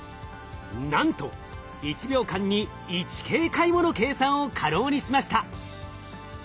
なんと１秒間に１京回もの計算を可能にしました。